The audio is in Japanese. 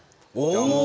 お！